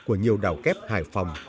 của nhiều đảo kép hải phòng